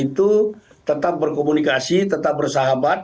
itu tetap berkomunikasi tetap bersahabat